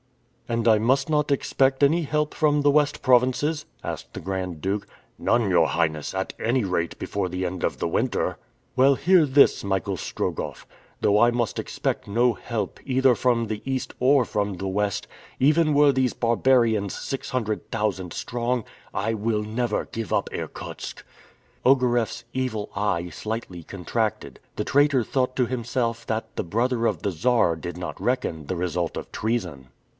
"And I must not expect any help from the West provinces?" asked the Grand Duke. "None, your Highness, at any rate before the end of the winter." "Well, hear this, Michael Strogoff. Though I must expect no help either from the East or from the West, even were these barbarians six hundred thousand strong, I will never give up Irkutsk!" Ogareff's evil eye slightly contracted. The traitor thought to himself that the brother of the Czar did not reckon the result of treason.